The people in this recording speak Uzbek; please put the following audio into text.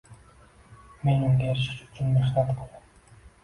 Men unga erishish uchun mehnat qildim